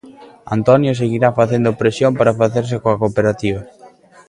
Antonia seguirá facendo presión para facerse coa cooperativa.